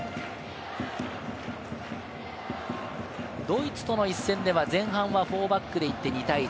ドイツとの一戦では前半は４バックで行って２対１。